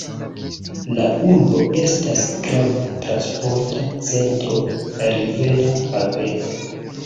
La urbo estas grava transporta centro, rivera haveno.